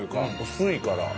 薄いから。